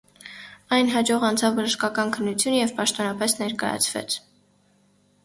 Ան յաջող անցաւ բժշկական քննութիւնը եւ պաշտօնապէս ներկայեացուեցաւ։